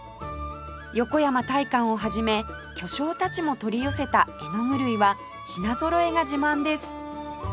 横山大観をはじめ巨匠たちも取り寄せた絵の具類は品ぞろえが自慢です